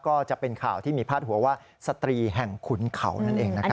ก็จะเป็นข่าวที่มีพาดหัวว่าสตรีแห่งขุนเขานั่นเองนะครับ